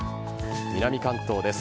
南関東です。